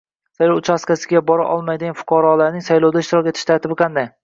Saylov uchastkasiga bora olmaydigan fuqaroning saylovda ishtirok etish tartibi qanday?